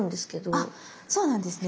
あそうなんですね。